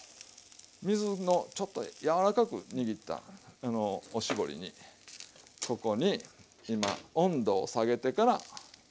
水のちょっと柔らかく握ったおしぼりにここに今温度を下げてから今これをお玉に１杯。